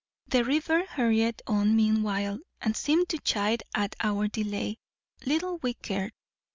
The river hurried on meanwhile, and seemed to chide at our delay. Little we cared.